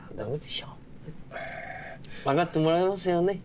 わかってもらえますよね？